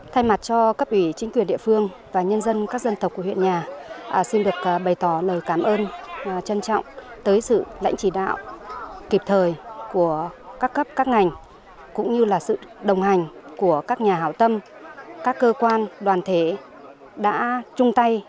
thay mặt cho cấp ủy chính quyền địa phương và nhân dân các dân tộc của huyện nhà xin được bày tỏ lời cảm ơn trân trọng tới sự lãnh chỉ đạo kịp thời của các cấp các ngành cũng như là sự đồng hành của các nhà hảo tâm các cơ quan đoàn thể đã chung tay